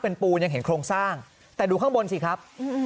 เป็นปูนยังเห็นโครงสร้างแต่ดูข้างบนสิครับ